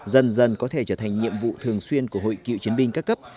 dần dần có thể trở thành nhiệm vụ thường xuyên của hội cựu chiến binh các cấp